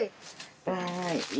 わい。